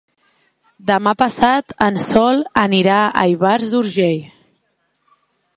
Demà passat en Sol anirà a Ivars d'Urgell.